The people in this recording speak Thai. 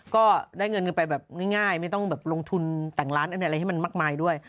ก็ได้เงินกันไปแบบง่ายไม่ต้องแบบลงทุนแต่งร้านอะไรให้มันมากมายด้วย